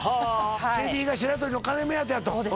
チェリーが白鳥の金目当てやと？